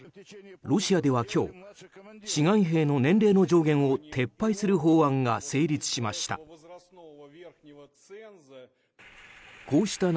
ロシアでは今日志願兵の年齢の上限を撤廃する法案が成立しました。